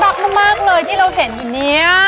รักมากเลยที่เราเห็นอยู่เนี่ย